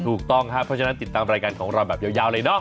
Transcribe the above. ถูกต้องครับเพราะฉะนั้นติดตามรายการของเราแบบยาวเลยเนาะ